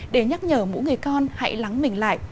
để nhắc nhở mỗi người con hãy lắng mình lại